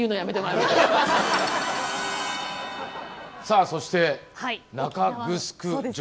さあそして中城城。